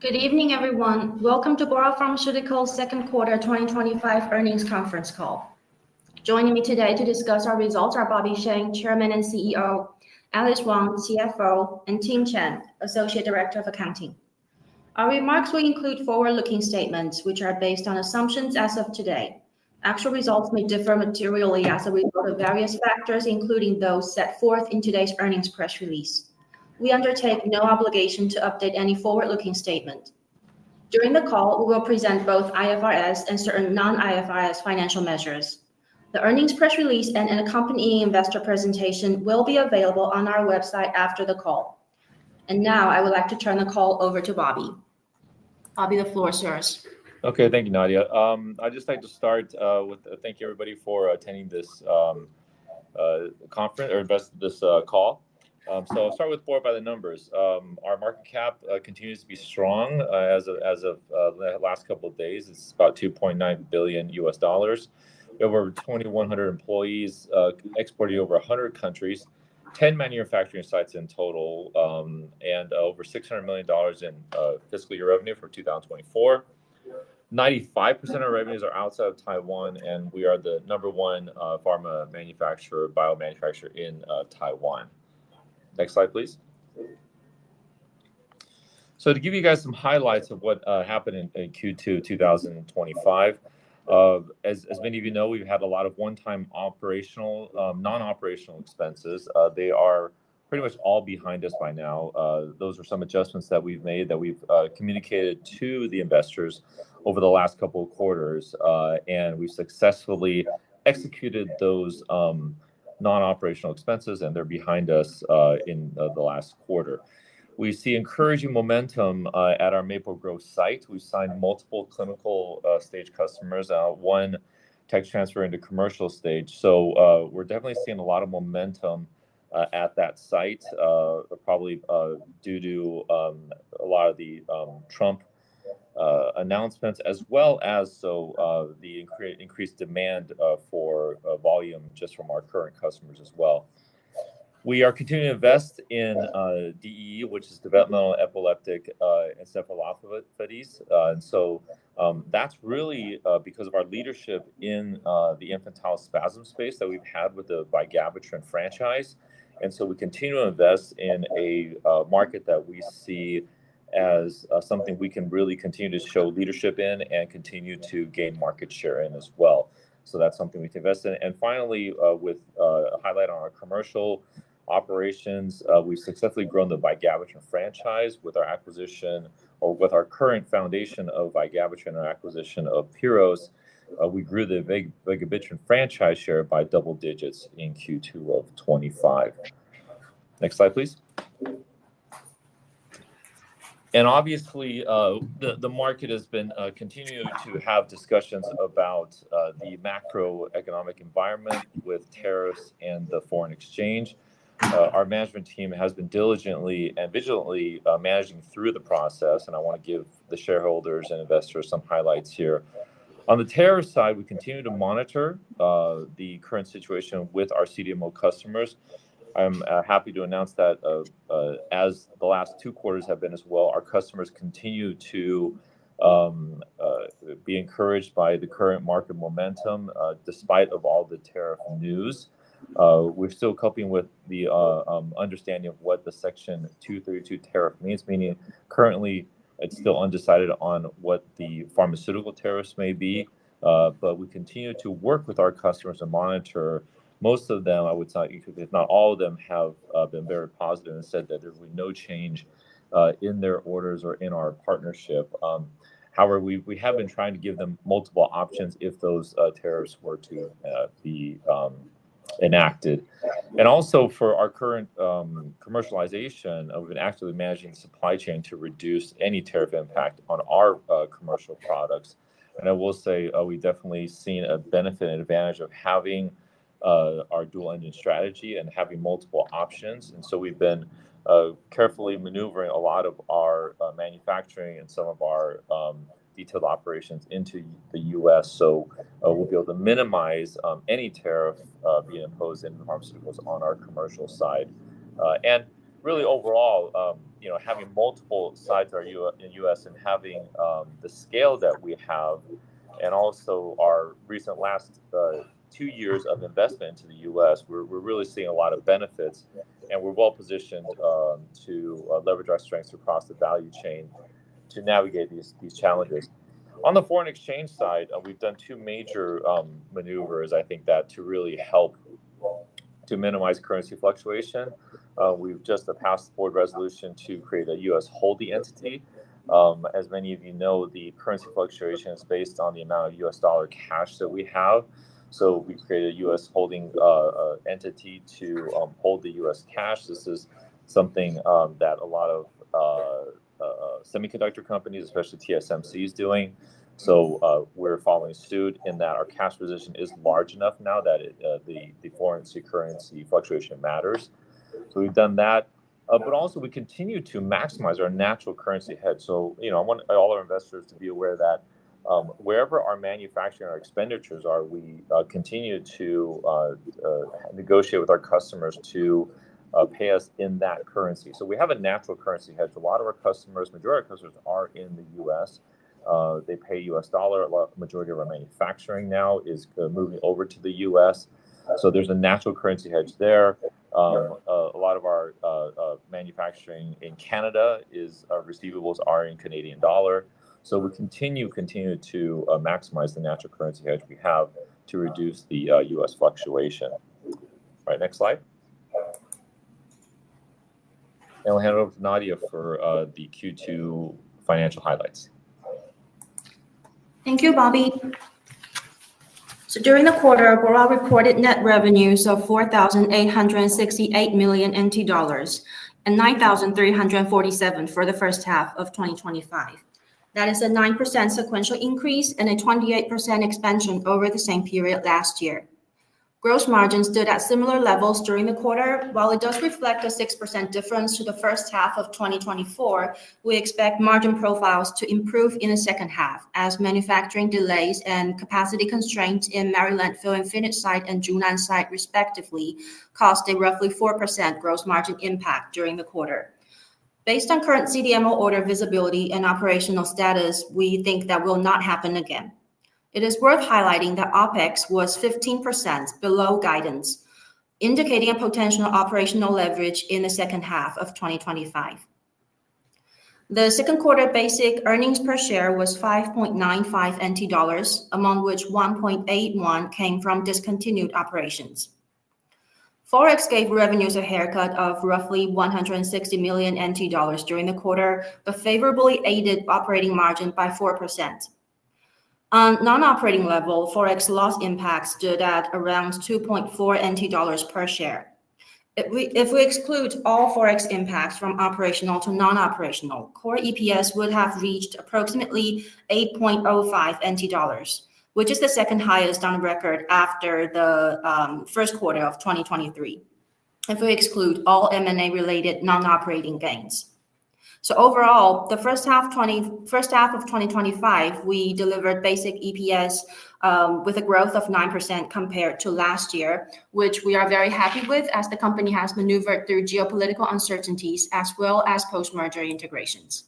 Good evening, everyone. Welcome to Bora Pharmaceuticals' second quarter 2025 earnings conference call. Joining me today to discuss our results are Bobby Sheng, Chairman and CEO, Alice Wang, CFO, and Tim Chen, Associate Director of Accounting. Our remarks will include forward-looking statements, which are based on assumptions as of today. Actual results may differ materially as a result of various factors, including those set forth in today's earnings press release. We undertake no obligation to update any forward-looking statements. During the call, we will present both IFRS and certain non-IFRS financial measures. The earnings press release and accompanying investor presentation will be available on our website after the call. I would like to turn the call over to Bobby. Bobby, the floor is yours. Okay, thank you, Nadiya. I'd just like to start with thanking everybody for attending this conference or this call. I'll start with Bora by the numbers. Our market cap continues to be strong as of the last couple of days, It's about $2.9 billion US dollars. We have over 2,100 employees, exporting to over 100 countries, 10 manufacturing sites in total, and over $600 million in fiscal year revenue for 2024, 95% of our revenues are outside of Taiwan, and we are the number one pharma manufacturer, bio manufacturer in Taiwan. Next slide, please. To give you guys some highlights of what happened in Q2 2025, as many of you know, we've had a lot of one-time operational, non-operational expenses. They are pretty much all behind us by now. Those are some adjustments that we've made that we've communicated to the investors over the last couple of quarters, and we successfully executed those non-operational expenses, and they're behind us in the last quarter. We see encouraging momentum at our Maple Grove site. We signed multiple clinical stage customers out, one tech transfer into commercial stage. We're definitely seeing a lot of momentum at that site, probably due to a lot of the Trump announcements, as well as the increased demand for volume just from our current customers as well. We are continuing to invest in DEE, which is developmental epileptic encephalopathies. That's really because of our leadership in the infantile spasm space that we've had with the Viagravitran franchise. We continue to invest in a market that we see as something we can really continue to show leadership in and continue to gain market share in as well, so that's something we can invest in. Finally, with a highlight on our commercial operations, we've successfully grown the Viagravitran franchise with our acquisition or with our current foundation of Viagravitran and our acquisition of Pyro Pharmaceuticals. We grew the Viagravitran franchise share by double digits in Q2 of 2025. Next slide, please. Obviously, the market has been continuing to have discussions about the macroeconomic environment with tariffs and the foreign exchange. Our management team has been diligently and vigilantly managing through the process, and I want to give the shareholders and investors some highlights here. On the tariff side, we continue to monitor the current situation with our CDMO customers. I'm happy to announce that, as the last two quarters have been as well, our customers continue to be encouraged by the current market momentum despite all the tariff news. We're still coping with the understanding of what the Section 232 tariff means, meaning currently it's still undecided on what the pharmaceutical tariffs may be, but we continue to work with our customers and monitor. Most of them, I would say, if not all of them, have been very positive and said that there will be no change in their orders or in our partnership. However, we have been trying to give them multiple options if those tariffs were to be enacted. Also, for our current commercialization, we've been actively managing the supply chain to reduce any tariff impact on our commercial products. I will say we've definitely seen a benefit and advantage of having our dual engine strategy and having multiple options. We've been carefully maneuvering a lot of our manufacturing and some of our detailed operations into the U.S., so we'll be able to minimize any tariff being imposed in pharmaceuticals on our commercial side. Overall, you know, having multiple sites in the U.S. and having the scale that we have, and also our recent last two years of investment into the U.S., we're really seeing a lot of benefits, and we're well positioned to leverage our strengths across the value chain to navigate these challenges. On the foreign exchange side, we've done two major maneuvers, I think, to really help to minimize currency fluctuation. We've just passed a board resolution to create a U.S. holding entity. As many of you know, the currency fluctuation is based on the amount of U.S. dollar cash that we have. We created a U.S. holding entity to hold the U.S. cash. This is something that a lot of semiconductor companies, especially TSMC, are doing. We're following suit in that our cash position is large enough now that the foreign currency fluctuation matters. We've done that, but also we continue to maximize our natural currency hedge. I want all our investors to be aware that wherever our manufacturing or expenditures are, we continue to negotiate with our customers to pay us in that currency. We have a natural currency hedge. A lot of our customers, the majority of our customers are in the U.S, they pay U.S. dollar. A majority of our manufacturing now is moving over to the U.S., so there's a natural currency hedge there. A lot of our manufacturing in Canada, our receivables are in Canadian dollar. We continue to maximize the natural currency hedge we have to reduce the U.S. fluctuation. All right, next slide. I'll hand it over to Nadiya for the Q2 financial highlights. Thank you, Bobby. During the quarter, Bora recorded net revenues of NT$4,868 million and NT$9,347 million for the first half of 2025. That is a 9% sequential increase and a 28% expansion over the same period last year. Gross margins stood at similar levels during the quarter. While it does reflect a 6% difference to the first half of 2024, we expect margin profiles to improve in the second half, as manufacturing delays and capacity constraints in the Maryland facility and Zhunan site, respectively, caused a roughly 4% gross margin impact during the quarter. Based on current CDMO order visibility and operational status, we think that will not happen again. It is worth highlighting that OpEx was 15% below guidance, indicating a potential operational leverage in the second half of 2025. The second quarter basic earnings per share was NT$5.95, among which NT$1.81 came from discontinued operations. Forex gave revenues a haircut of roughly NT$160 million during the quarter, but favorably aided operating margin by 4%. On the non-operating level, Forex loss impacts stood at around NT$2.4 per share. If we exclude all Forex impacts from operational to non-operational, core EPS would have reached approximately NT$8.05, which is the second highest on record after the first quarter of 2023, if we exclude all M&A-related non-operating gains. Overall, in the first half of 2025, we delivered basic EPS with a growth of 9% compared to last year, which we are very happy with as the company has maneuvered through geopolitical uncertainties as well as post-merger integrations.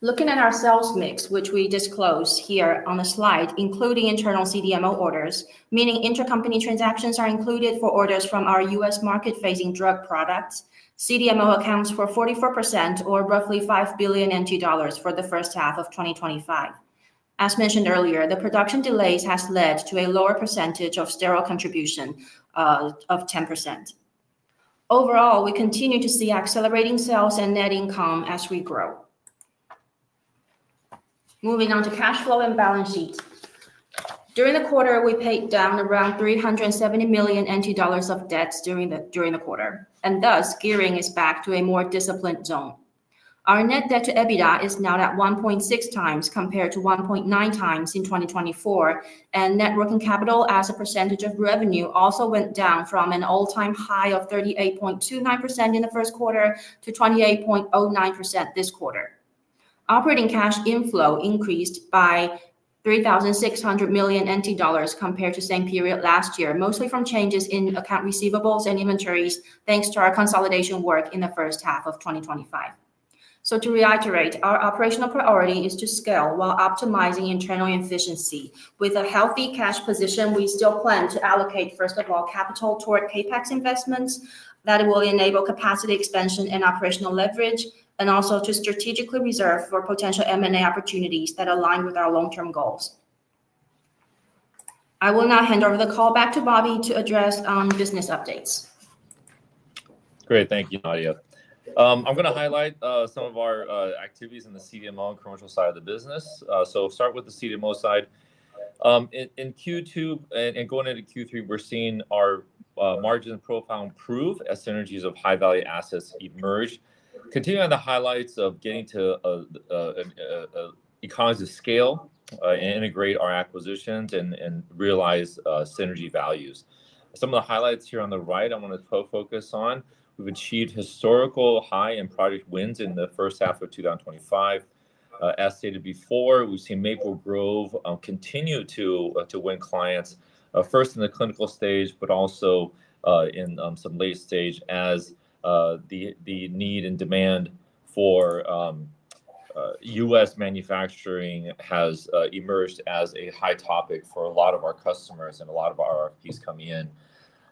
Looking at our sales mix, which we disclose here on the slide, including internal CDMO orders, meaning intercompany transactions are included for orders from our U.S market-facing drug products, CDMO accounts for 44% or roughly NT$5 billion for the first half of 2025. As mentioned earlier, the production delays have led to a lower percentage of sterile contribution of 10%. Overall, we continue to see accelerating sales and net income as we grow. Moving on to cash flow and balance sheet. During the quarter, we paid down around NT$370 million of debts, and thus gearing us back to a more disciplined zone. Our net debt to EBITDA is now at 1.6 times compared to 1.9 times in 2024, and net working capital as a percentage of revenue also went down from an all-time high of 38.29% in the first quarter to 28.09% this quarter. Operating cash inflow increased by NT$3.6 billion compared to the same period last year, mostly from changes in account receivables and inventories, thanks to our consolidation work in the first half of 2025. To reiterate, our operational priority is to scale while optimizing internal efficiency. With a healthy cash position, we still plan to allocate, first of all, capital toward CapEx investments that will enable capacity expansion and operational leverage, and also to strategically reserve for potential M&A opportunities that align with our long-term goals. I will now hand over the call back to Bobby to address business updates. Great, thank you, Nadiya. I'm going to highlight some of our activities in the CDMO and commercial side of the business. I'll start with the CDMO side. In Q2 and going into Q3, we're seeing our margin profile improve as synergies of high-value assets emerge. Continuing on the highlights of getting to economies of scale and integrating our acquisitions and realizing synergy values. Some of the highlights here on the right I want to focus on. We've achieved a historical high in project wins in the first half of 2025. As stated before, we've seen Maple Grove continue to win clients, first in the clinical stage, but also in some late stage as the need and demand for U.S. manufacturing has emerged as a high topic for a lot of our customers and a lot of our RRPs coming in.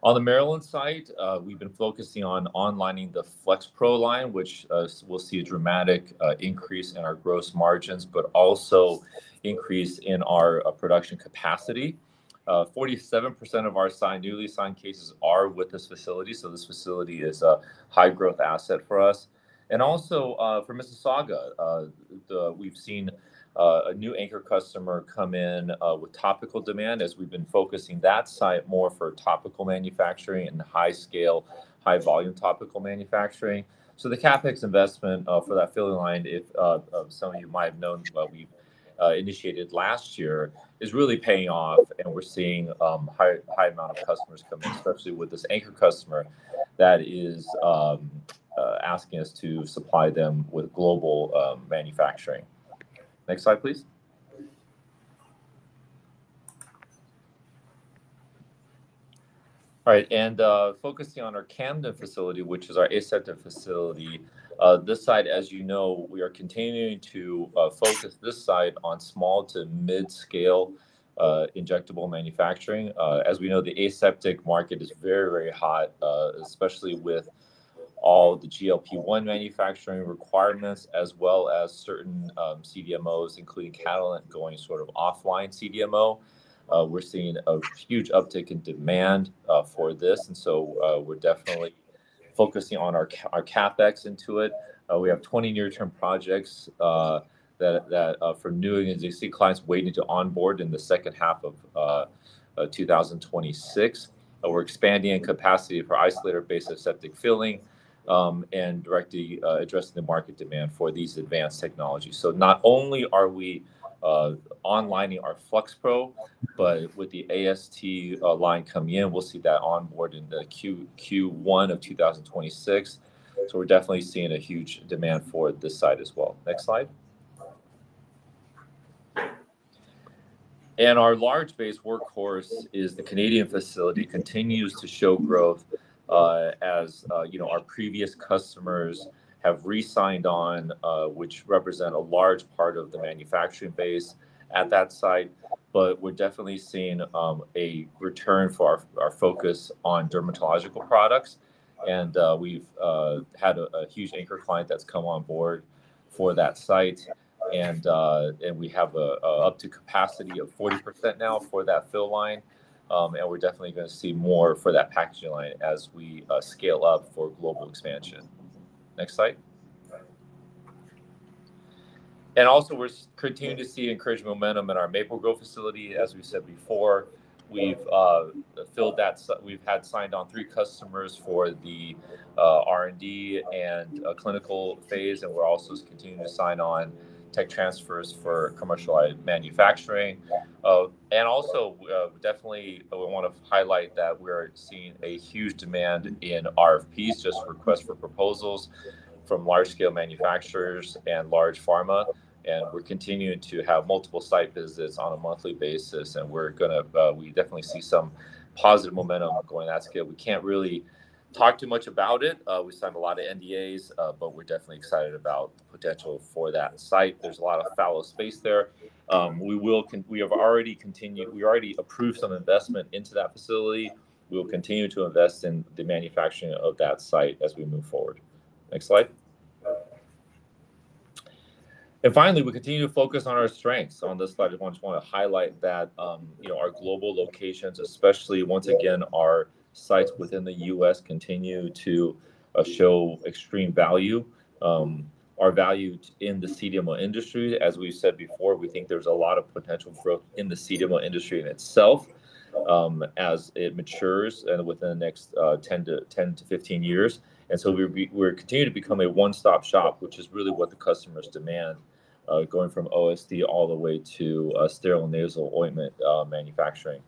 On the Maryland side, we've been focusing on onlining the Flexpro line, which will see a dramatic increase in our gross margins, but also an increase in our production capacity. 47% of our newly signed cases are with this facility, so this facility is a high-growth asset for us. Also for Mississauga, we've seen a new anchor customer come in with topical demand as we've been focusing that site more for topical manufacturing and high-scale, high-volume topical manufacturing. The CapEx investment for that filler line, if some of you might have known, we initiated last year, is really paying off and we're seeing a high amount of customers come in, especially with this anchor customer that is asking us to supply them with global manufacturing. Next slide, please. All right, focusing on our Camden facility, which is our aseptic facility. This site, as you know, we are continuing to focus this site on small to mid-scale injectable manufacturing. As we know, the aseptic market is very, very hot, especially with all the GLP-1 manufacturing requirements, as well as certain CDMOs, including Catalent, going sort of offline CDMO. We're seeing a huge uptick in demand for this, and we're definitely focusing on our CapEx into it. We have 20 near-term projects for new and existing clients waiting to onboard in the second half of 2026. We're expanding in capacity for isolator-based aseptic filling and directly addressing the market demand for these advanced technologies. Not only are we onlining our Flexpro, but with the AST line coming in, we'll see that onboard in Q1 of 2026. We're definitely seeing a huge demand for this site as well. Next slide. Our large base workhorse is the Canadian facility continues to show growth as our previous customers have re-signed on, representing a large part of the manufacturing base at that site. We are definitely seeing a return for our focus on dermatological products, and we have had a huge anchor client come on board for that site. We have an up to capacity of 40% now for that fill line, and we are definitely going to see more for that packaging line as we scale up for global expansion. Next slide. We are continuing to see encouraged momentum in our Maple Grove facility. As we said before, we have filled that, we have signed on three customers for the R&D and clinical phase, and we are also continuing to sign on tech transfers for commercialized manufacturing, and also, definitely, I want to highlight that we are seeing a huge demand in RFPs, just requests for proposals from large-scale manufacturers and large pharma. We are continuing to have multiple site visits on a monthly basis, and we definitely see some positive momentum going at scale. We cannot really talk too much about it. We have signed a lot of NDAs, but we are definitely excited about the potential for that site. There is a lot of fallow space there. We have already approved some investment into that facility. We will continue to invest in the manufacturing of that site as we move forward. Next slide. Finally, we continue to focus on our strengths. On this slide, I just want to highlight that our global locations, especially once again, our sites within the U.S. continue to show extreme value. Our value in the CDMO industry, as we have said before, we think there is a lot of potential growth in the CDMO industry in itself as it matures within the next 10 to 15 years. We are continuing to become a one-stop shop, which is really what the customers demand, going from OSD all the way to sterile nasal ointment manufacturing.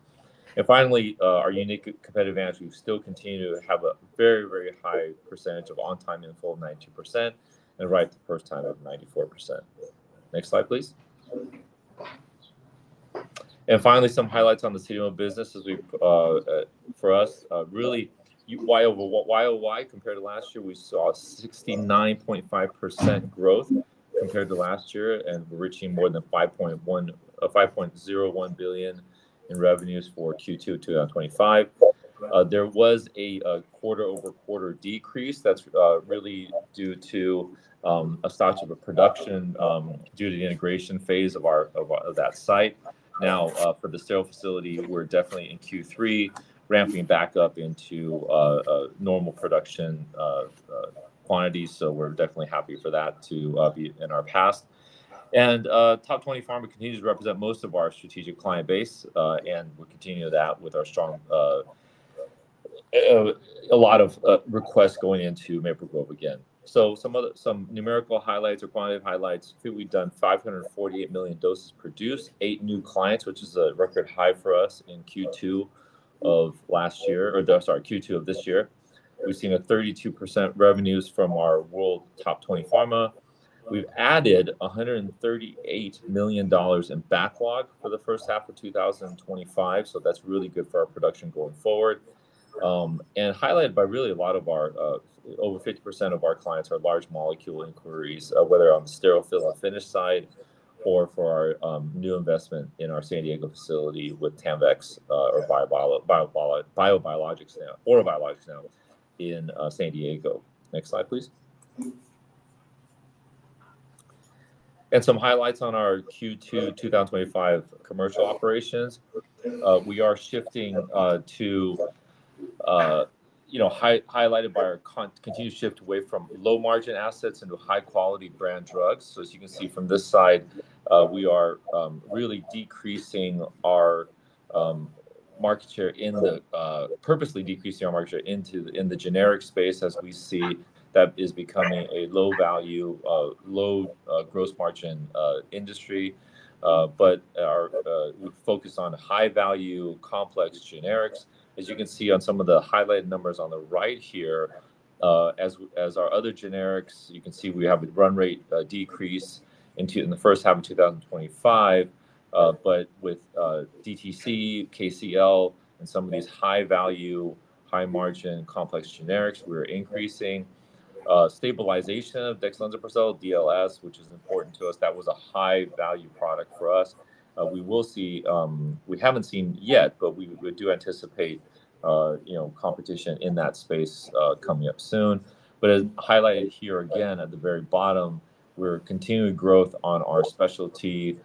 Finally, our unique competitive advantage is that we still continue to have a very, very high percentage of on-time inflow, 92%, and right the first time of 94%. Next slide, please. Finally, some highlights on the CDMO business. For us, really why over what, why over why compared to last year, we saw 69.5% growth compared to last year, and we are reaching more than $5.01 billion in revenues for Q2 of 2025. There was a quarter-over-quarter decrease, that's really due to a stock of production due to the integration phase of that site. Now, for the sterile facility, we're definitely in Q3, ramping back up into normal production quantities. We're definitely happy for that to be in our path. Top 20 Pharma continues to represent most of our strategic client base, and we'll continue that with our strong, a lot of requests going into Maple Grove again. Some numerical highlights or quantitative highlights: we've done 548 million doses produced, eight new clients, which is a record high for us in Q2 of last year, or sorry, Q2 of this year. We've seen a 32% revenues from our world Top 20 Pharma. We've added $138 million in backlog for the first half of 2025. That's really good for our production going forward. Highlighted by really a lot of our, over 50% of our clients are large molecule inquiries, whether on the sterile fill and finish side or for our new investment in our San Diego facility with Tanvex BioPharma or biologics now in San Diego. Next slide, please. Some highlights on our Q2 2025 commercial operations: we are shifting to, you know, highlighted by our continued shift away from low margin assets into high-quality brand drugs. As you can see from this side, we are really decreasing our market share in the, purposely decreasing our market share in the generic space as we see that is becoming a low value, low gross margin industry. We've focused on high value complex generics. As you can see on some of the highlighted numbers on the right here, as our other generics, you can see we have a run rate decrease in the first half of 2025. With DTC, KCL, and some of these high value, high margin complex generics, we're increasing. Stabilization of dexlansoprazole, DLS, which is important to us, that was a high value product for us. We will see, we haven't seen yet, but we do anticipate, you know, competition in that space coming up soon. As highlighted here again at the very bottom, we're continuing growth on our specialty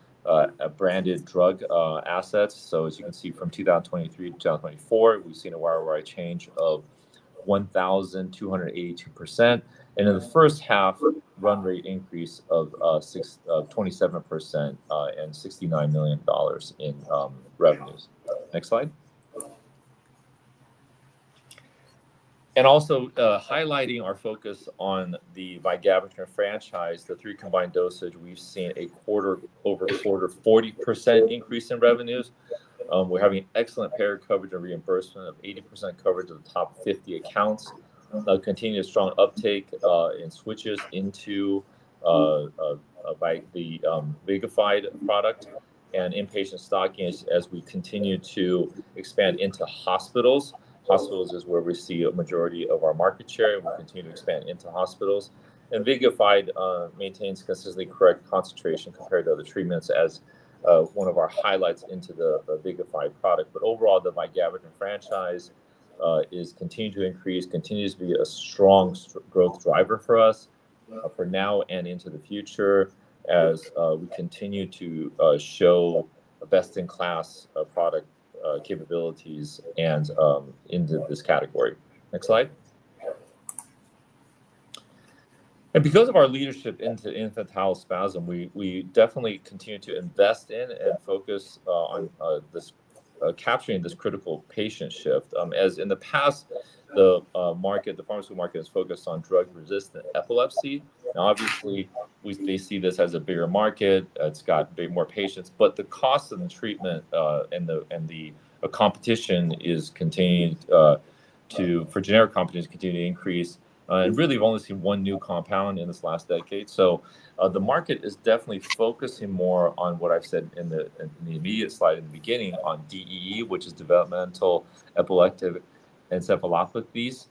branded drug assets. As you can see from 2023 to 2024, we've seen a wide change of 1,282%. In the first half, run rate increase of 27% and $69 million in revenues. Next slide. Also highlighting our focus on the Viagravitran franchise, the three combined dosage, we've seen a quarter over quarter 40% increase in revenues. We're having excellent payer coverage and reimbursement of 80% coverage of the top 50 accounts. Continued strong uptake in switches into the VIGAFYDE product and inpatient stocking as we continue to expand into hospitals. Hospitals is where we see a majority of our market share, and we continue to expand into hospitals. VIGAFYDE maintains consistently correct concentration compared to other treatments as one of our highlights into the VIGAFYDE product. Overall, the Viagravitran franchise is continuing to increase, continues to be a strong growth driver for us for now and into the future as we continue to show best-in-class product capabilities in this category. Next slide. Because of our leadership in infantile spasm, we definitely continue to invest in and focus on capturing this critical patient shift. As in the past, the pharmaceutical market has focused on drug-resistant epilepsy. Now, obviously, they see this as a bigger market. It's got more patients, but the cost of the treatment and the competition is continuing to, for generic companies, continue to increase. Really, we've only seen one new compound in this last decade. The market is definitely focusing more on what I said in the immediate slide in the beginning on DEE, which is developmental epileptic encephalopathies.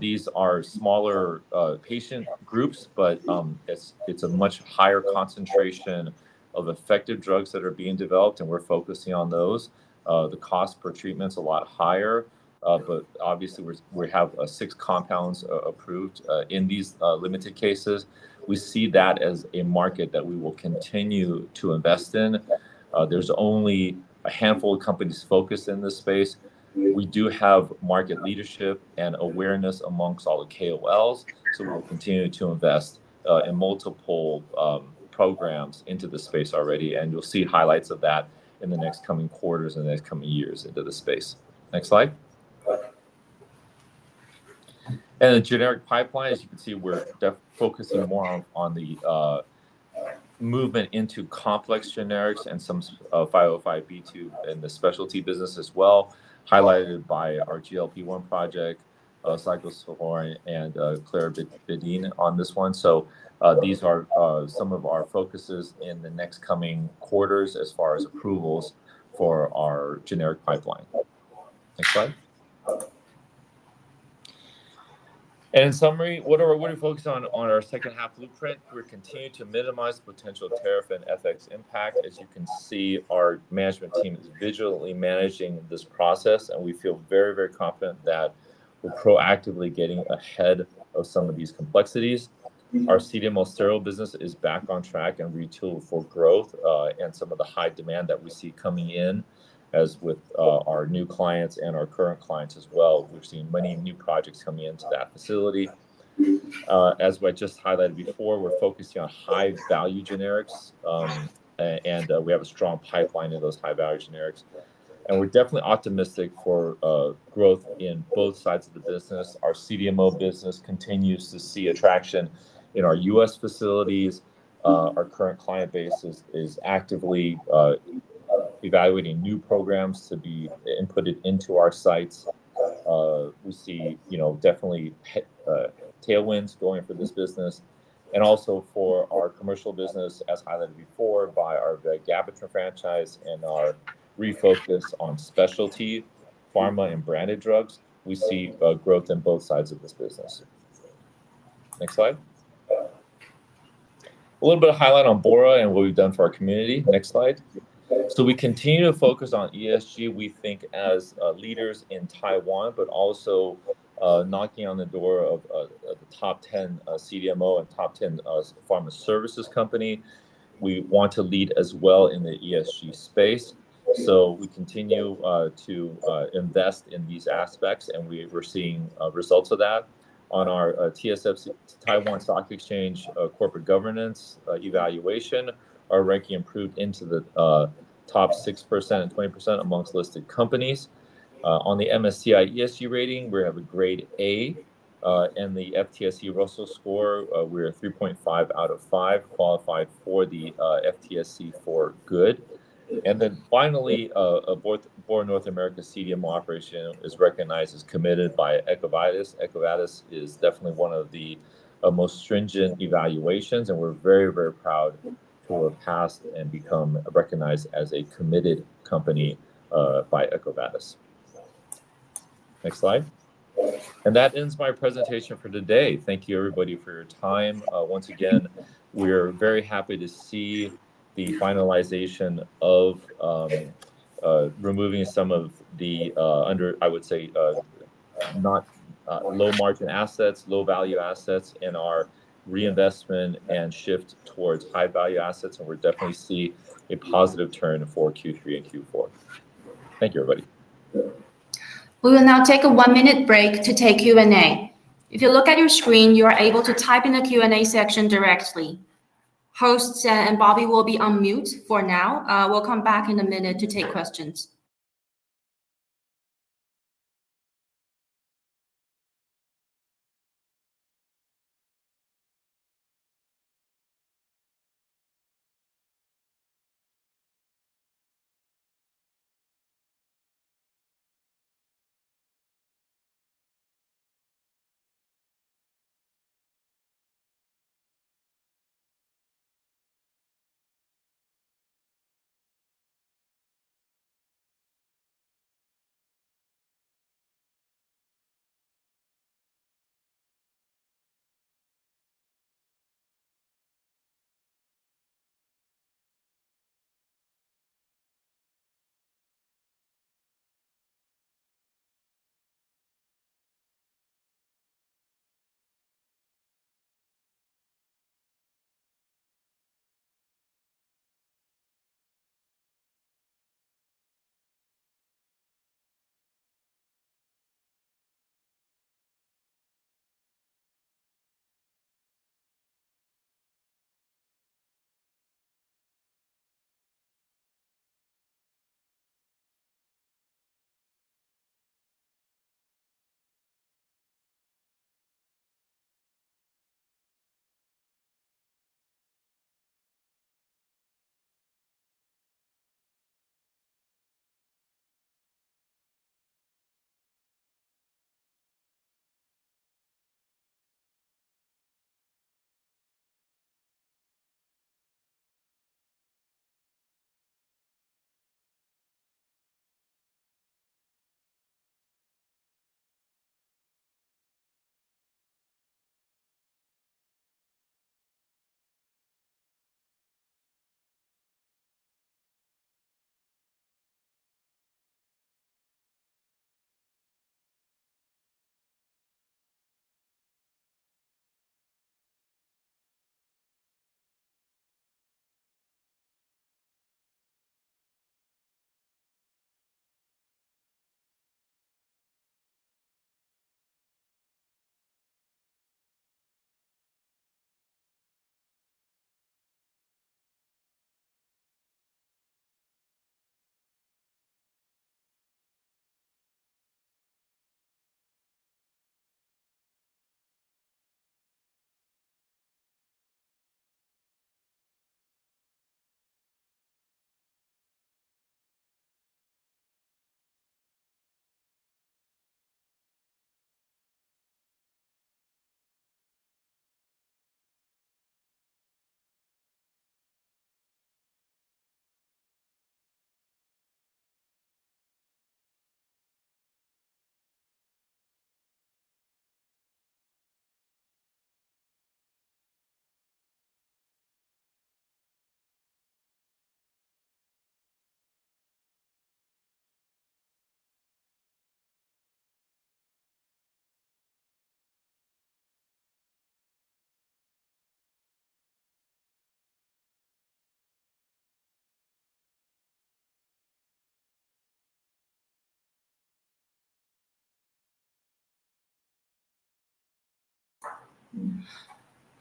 These are smaller patient groups, but it's a much higher concentration of effective drugs that are being developed, and we're focusing on those. The cost per treatment is a lot higher, but obviously, we have six compounds approved in these limited cases. We see that as a market that we will continue to invest in. There's only a handful of companies focused in this space. We do have market leadership and awareness amongst all the KOLs. We will continue to invest in multiple programs in this space already, and you'll see highlights of that in the next coming quarters and the next coming years in this space. Next slide. A generic pipeline, as you can see, we're focusing more on the movement into complex generics and some 505B2 in the specialty business as well, highlighted by our GLP-1 project, Cyclosporin, and clarabutadine on this one. These are some of our focuses in the next coming quarters as far as approvals for our generic pipeline. Next slide. In summary, we're going to focus on our second half blueprint. We're continuing to minimize potential tariff and FX impact. As you can see, our management team is vigilantly managing this process, and we feel very, very confident that we're proactively getting ahead of some of these complexities. Our CDMO sterile business is back on track and retooled for growth and some of the high demand that we see coming in, as with our new clients and our current clients as well. We've seen many new projects coming into that facility. As I just highlighted before, we're focusing on high-value generics, and we have a strong pipeline in those high-value generics. We're definitely optimistic for growth in both sides of the business. Our CDMO business continues to see attraction in our U.S. facilities. Our current client base is actively evaluating new programs to be inputted into our sites. We see definitely tailwinds going for this business. Also, for our commercial business, as highlighted before by our Viagravitran franchise and our refocus on specialty pharma and branded drugs, we see growth in both sides of this business. Next slide. A little bit of highlight on Bora and what we've done for our community. Next slide. We continue to focus on ESG. We think as leaders in Taiwan, but also knocking on the door of the top 10 CDMO and top 10 pharma services company, we want to lead as well in the ESG space. We continue to invest in these aspects, and we're seeing results of that on our TSFC Taiwan Stock Exchange corporate governance evaluation. Our ranking improved into the top 6% and 20% amongst listed companies. On the MSCI ESG rating, we have a grade A, and the FTSE Russell score, we're 3.5 out of 5, qualified for the FTSE for good. Finally, Bora North America CDMO operation is recognized as committed by Equivatus. Equivatus is definitely one of the most stringent evaluations, and we're very, very proud to have passed and become recognized as a committed company by Equivatus. Next slide. That ends my presentation for today. Thank you, everybody, for your time. Once again, we are very happy to see the finalization of removing some of the under, I would say, not low margin assets, low value assets, and our reinvestment and shift towards high value assets, and we're definitely seeing a positive turn for Q3 and Q4. Thank you, everybody. We will now take a one-minute break to take Q&A. If you look at your screen, you are able to type in the Q&A section directly. Hosts and Bobby will be on mute for now. We'll come back in a minute to take questions.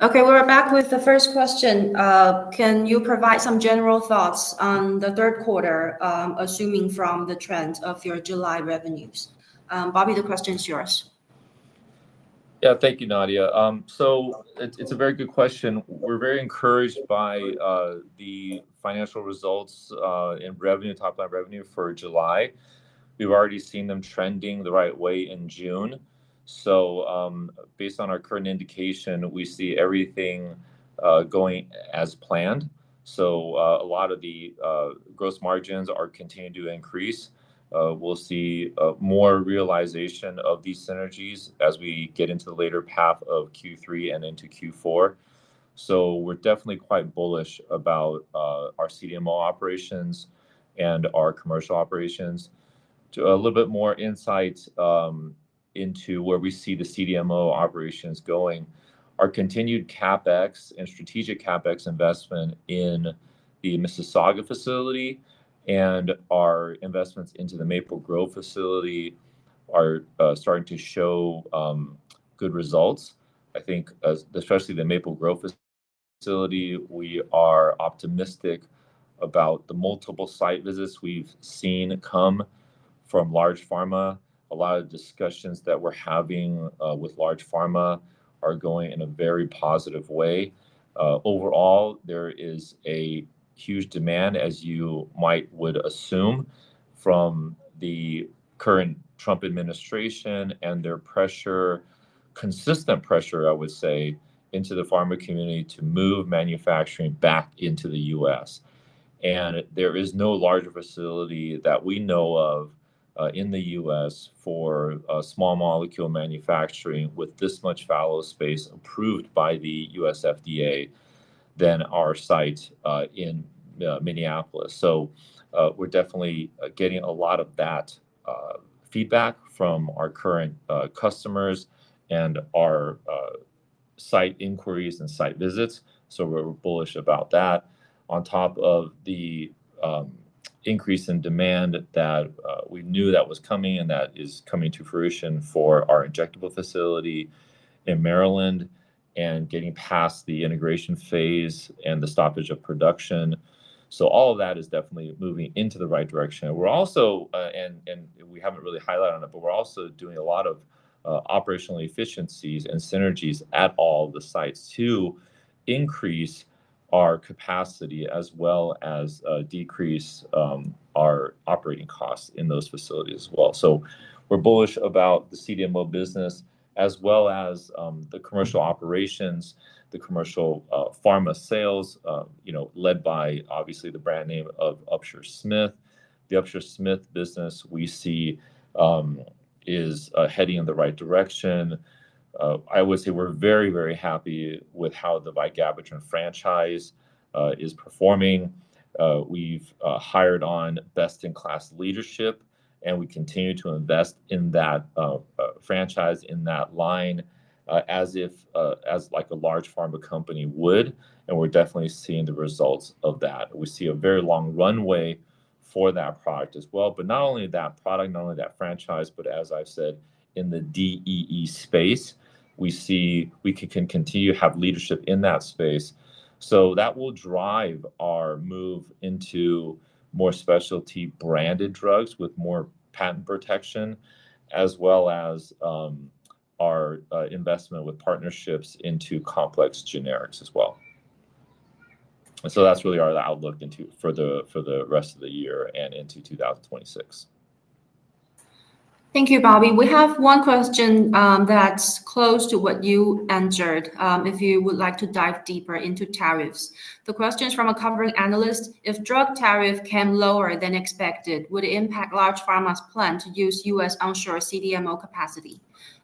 Okay, we're back with the first question. Can you provide some general thoughts on the third quarter, assuming from the trends of your July revenues? Bobby, the question is yours. Yeah, thank you, Nadiya. It's a very good question. We're very encouraged by the financial results in revenue, top line revenue for July. We've already seen them trending the right way in June. Based on our current indication, we see everything going as planned. A lot of the gross margins are continuing to increase. We'll see more realization of these synergies as we get into the later path of Q3 and into Q4. We're definitely quite bullish about our CDMO operations and our commercial operations. To give a little bit more insight into where we see the CDMO operations going, our continued CapEx and strategic CapEx investment in the Mississauga facility and our investments into the Maple Grove facility are starting to show good results. I think especially the Maple Grove facility, we are optimistic about the multiple site visits we've seen come from large pharma. A lot of discussions that we're having with large pharma are going in a very positive way. Overall, there is a huge demand, as you might assume, from the current Trump administration and their consistent pressure, I would say, into the pharma community to move manufacturing back into the U.S. There is no larger facility that we know of in the U.S. for small molecule manufacturing with this much fallow space approved by the U.S. FDA than our site in Minneapolis. We're definitely getting a lot of that feedback from our current customers and our site inquiries and site visits. We're bullish about that. On top of the increase in demand that we knew was coming and that is coming to fruition for our injectable facility in Maryland and getting past the integration phase and the stoppage of production. All of that is definitely moving in the right direction. We haven't really highlighted on it, but we're also doing a lot of operational efficiencies and synergies at all of the sites to increase our capacity as well as decrease our operating costs in those facilities as well. We're bullish about the CDMO business as well as the commercial operations, the commercial pharma sales, you know, led by obviously the brand name of Upsher-Smith. The Upsher-Smith business we see is heading in the right direction. I would say we're very, very happy with how the Viagravitran franchise is performing. We've hired on best-in-class leadership, and we continue to invest in that franchise, in that line, as if, as like a large pharma company would. We are definitely seeing the results of that. We see a very long runway for that product as well, not only that product, not only that franchise. As I've said, in the DEE space, we see we can continue to have leadership in that space. That will drive our move into more specialty branded drugs with more patent protection, as well as our investment with partnerships into complex generics as well. That is really our outlook for the rest of the year and into 2026. Thank you, Bobby. We have one question that's close to what you answered, if you would like to dive deeper into tariffs. The question is from a covering analyst. If drug tariffs come lower than expected, would it impact large pharma's plan to use U.S. onshore CDMO capacity?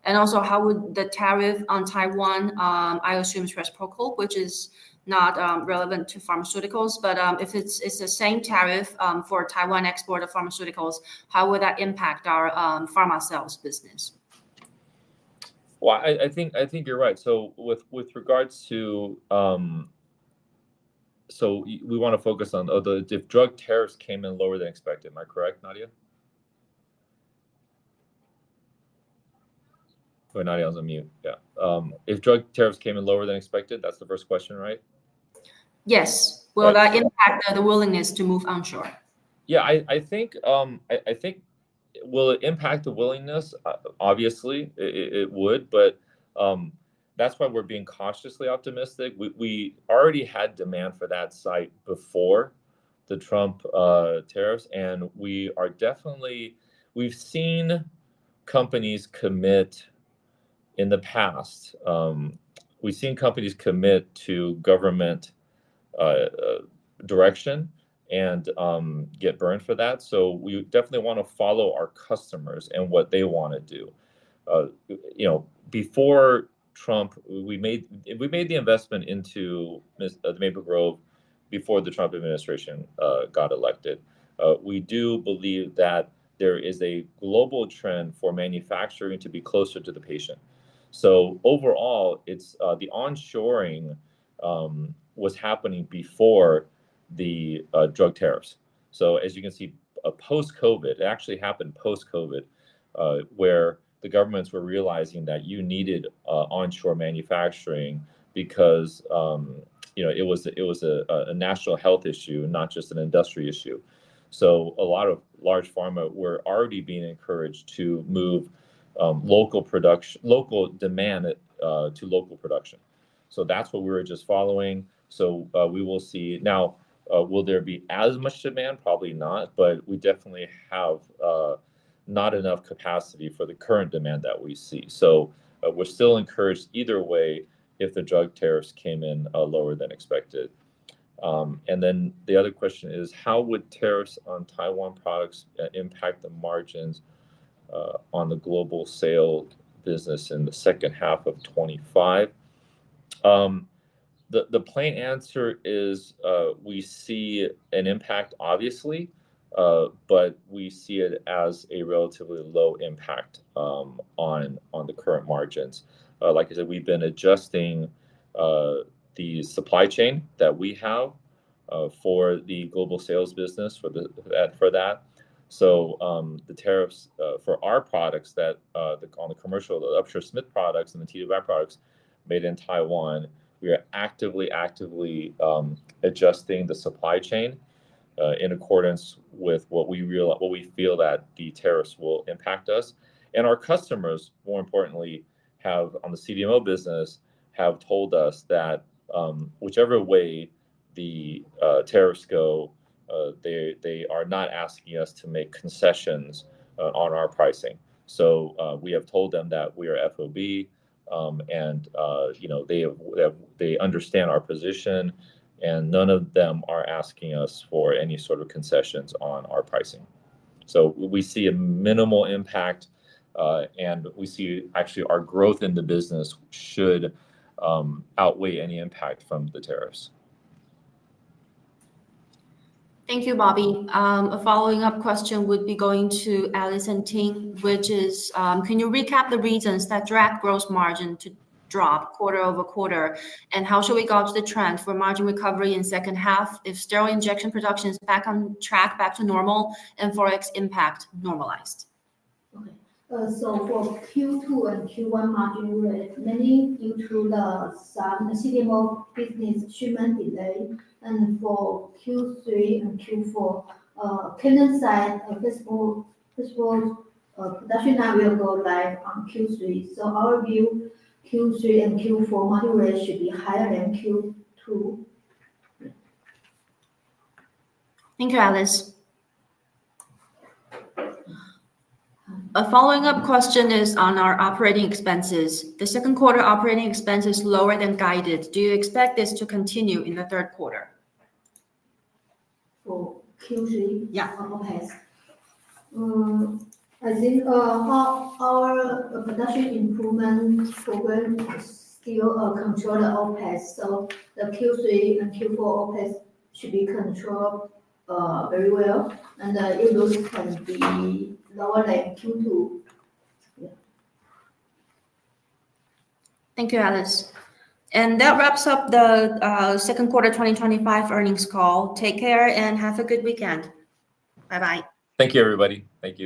Also, how would the tariff on Taiwan, I assume stress protocol, which is not relevant to pharmaceuticals, but if it's the same tariff for Taiwan export of pharmaceuticals, how would that impact our pharma sales business? I think you're right. With regards to, we want to focus on, if drug tariffs came in lower than expected, am I correct, Nadiya? Nadiya is on mute. Yeah, if drug tariffs came in lower than expected, that's the first question, right? Yes. Will that impact the willingness to move onshore? I think, will it impact the willingness? Obviously, it would, but that's why we're being cautiously optimistic. We already had demand for that site before the Trump tariffs, and we are definitely, we've seen companies commit in the past. We've seen companies commit to government direction and get burned for that. We definitely want to follow our customers and what they want to do. You know, before Trump, we made the investment into Maple Grove before the Trump administration got elected. We do believe that there is a global trend for manufacturing to be closer to the patient. Overall, it's a, the onshoring was happening before the drug tariffs. As you can see, post-COVID, it actually happened post-COVID, where the governments were realizing that you needed onshore manufacturing because, you know, it was a national health issue, not just an industry issue. A lot of large pharma were already being encouraged to move local demand to local production. That's what we were just following. We will see. Now, will there be as much demand? Probably not, but we definitely have not enough capacity for the current demand that we see. We're still encouraged either way if the drug tariffs came in lower than expected. The other question is, how would tariffs on Taiwan products impact the margins on the global sale business in the second half of 2025? The plain answer is we see an impact, obviously, but we see it as a relatively low impact on the current margins. Like I said, we've been adjusting the supply chain that we have for the global sales business for that. The tariffs for our products, the commercial Upsher-Smith products and the TDY products made in Taiwan, we are actively, actively adjusting the supply chain in accordance with what we feel that the tariffs will impact us. Our customers, more importantly, have on the CDMO business, have told us that whichever way the tariffs go, they are not asking us to make concessions on our pricing. We have told them that we are FOB and, you know, they understand our position and none of them are asking us for any sort of concessions on our pricing. We see a minimal impact and we see actually our growth in the business should outweigh any impact from the tariffs. Thank you, Bobby. A following-up question would be going to Alice and Tim, which is, can you recap the reasons that drag gross margin to drop quarter over quarter, and how should we gauge the trend for margin recovery in the second half if sterile injection production is back on track, back to normal, and Forex impact normalized? For Q2 and Q1 margin rate, many things through the CDMO business shouldn't delay, and for Q3 and Q4, cannot set a fiscal production available like on Q3. Our view is Q3 and Q4 margin rate should be higher than Q2. Thank you, Alice. A following-up question is on our operating expenses. The second quarter operating expense is lower than guided. Do you expect this to continue in the third quarter? For Q3? Yeah. I think our production improvement for when still controlled OpEx. The Q3 and Q4 OpEx should be controlled very well, and the invoices can be lower than Q2. Thank you, Alice. That wraps up the second quarter 2025 earnings call. Take care and have a good weekend. Bye-bye. Thank you, everybody. Thank you.